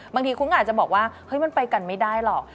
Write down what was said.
บางทีคุณก็อาจจะบอกว่าเฮ้ยมันไปกันไม่ได้หรอก